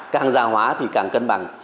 càng giả hóa thì càng cân bằng